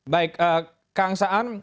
baik kang saan